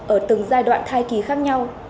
ở từng giai đoạn thai kỳ khác nhau